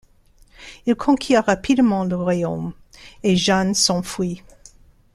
Il conquiert rapidement le royaume et Jeanne s'enfuit.